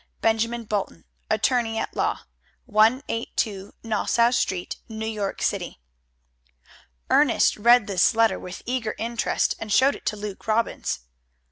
Benjamin Bolton, Attorney at Law. 182 Nassau Street, New York City. Ernest read this letter with eager interest, and showed it to Luke Robbins.